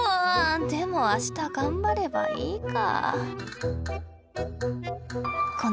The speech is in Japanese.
でも明日頑張ればいいか。